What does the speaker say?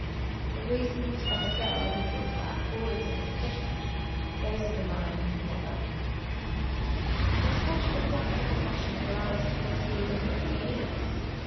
The rea.sons of a girl who (haws back always seem sufficient, those of a man —never. liut how should a flattering; pa.ssion allow us to foresee whither it may lead us ?